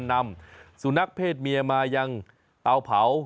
ไปอีกที่หนึ่งเป็นเรื่องราวของสุนัขและแมวกันหน่อย